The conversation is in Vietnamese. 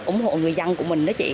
ủng hộ người dân của mình đó chị